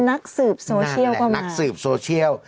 นักสืบโซเชียลก็มานั่นแหละนักสืบโซเชียล